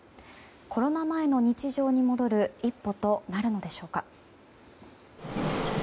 コロナ前の日常に戻る一歩となるのでしょうか。